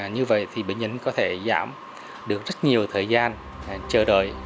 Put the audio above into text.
như vậy thì bệnh nhân có thể giảm được rất nhiều thời gian chờ đợi